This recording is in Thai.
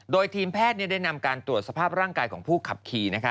โดยทีมแพทย์ได้นำการตรวจสภาพร่างกายของผู้ขับขี่